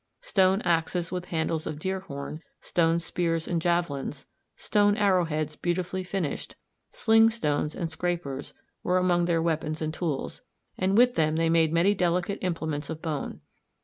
Stone axes with handles of deer horn, stone spears and javelins, stone arrowheads beautifully finished, sling stones and scrapers, were among their weapons and tools, and with them they made many delicate implements of bone.